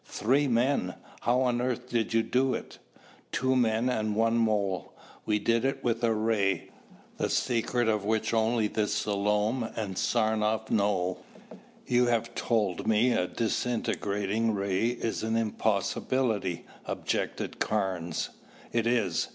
"Three men! How on earth did you do it?" "Two men and one mole. We did it with a ray, the secret of which only the Selom and Saranoff know." "You have told me a disintegrating ray is an impossibility," objected Carnes. "It is.